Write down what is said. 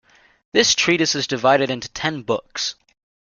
This treatise is divided into ten books.